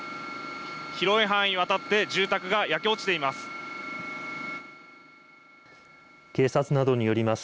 広い範囲にわたって住宅が焼け落ちています。